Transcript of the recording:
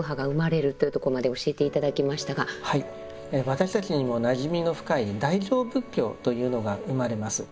私たちにもなじみの深い大乗仏教というのが生まれます。